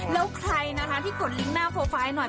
แล้วใครที่กดลิงก์หน้าโฟร์ไฟล์หน่อย